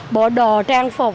bộ đồ trang phục